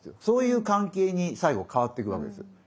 そういう関係に最後変わってくわけですよ。